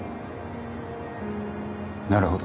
なるほど。